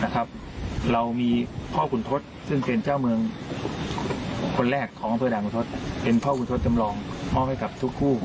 กับทุกครู่สมรถ